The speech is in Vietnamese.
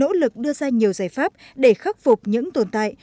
nỗ lực đưa ra nhiều giải pháp để khắc phục những tồn tại